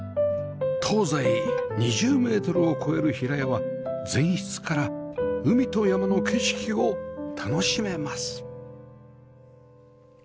東西２０メートルを超える平屋は全室から海と山の景色を楽しめます